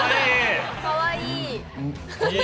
かわいい。